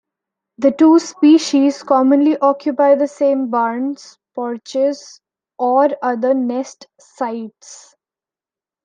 The two species commonly occupy the same barns, porches, or other nest sites.